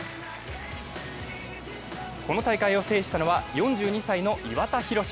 この大会を制したのは４２歳の岩田寛。